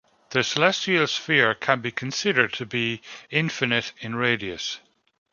The celestial sphere can be considered to be infinite in radius.